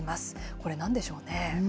これなんでしょうね。